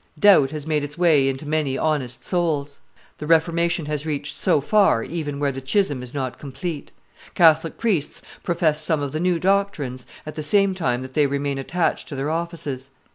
Doubt has made its way into many honest souls. The Reformation has reached so far even where the schism is not complete. Catholic priests profess some of the new doctrines, at the same time that they remain attached to their offices.